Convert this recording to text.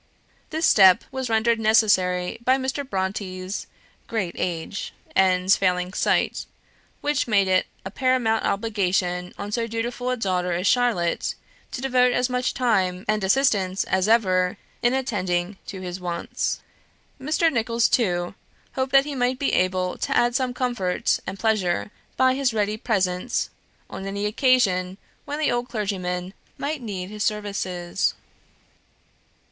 This step was rendered necessary by Mr. Brontë's great age, and failing sight, which made it a paramount obligation on so dutiful a daughter as Charlotte, to devote as much time and assistance as ever in attending to his wants. Mr. Nicholls, too, hoped that he might be able to add some comfort and pleasure by his ready presence, on any occasion when the old clergyman might need his services.